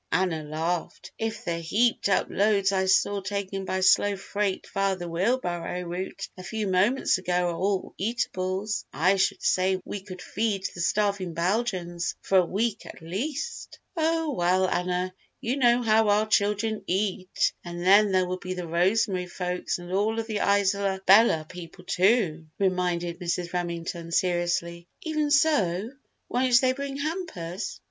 Anna laughed. "If the heaped up loads I saw taken by slow freight via the wheel barrow route a few moments ago are all eatables, I should say we could feed the starving Belgians for a week, at least!" "Oh, well, Anna, you know how our children eat and then there will be the Rosemary folks and all of the Isola Bella people, too!" reminded Mrs. Remington, seriously. "Even so, won't they bring hampers?"